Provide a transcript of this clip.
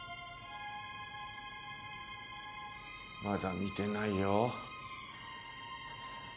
まだ見てないよ。